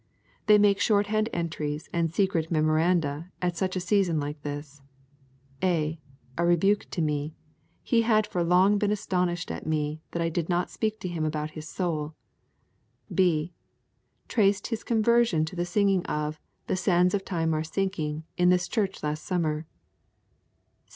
They make shorthand entries and secret memoranda at such a season like this: 'A. a rebuke to me. He had for long been astonished at me that I did not speak to him about his soul. B. traced his conversion to the singing of 'The sands of time are sinking' in this church last summer.